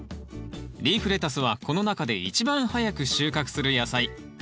リーフレタスはこの中で一番早く収穫する野菜。